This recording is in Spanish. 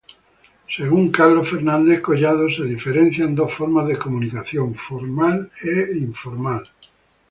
Según Carlos Fernández Collado, se diferencian dos formas de comunicación: formal e informal.